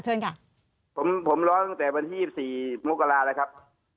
ผมร้องตั้งแต่วันที่๒๔นแล้วครับ